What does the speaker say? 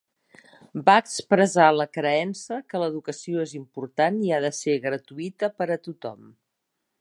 Va expressar la creença que l'educació és important i ha de ser gratuïta per a tothom.